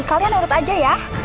kalian urut aja ya